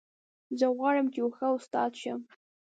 زه غواړم چې یو ښه استاد شم